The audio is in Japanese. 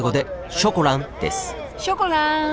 ショコラン！